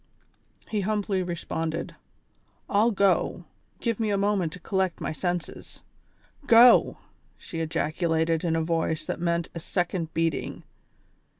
" He humbly responded : "I'll go, give me a moment to collect my senses." "Go," she ejaculated in a voice that meant a second beating.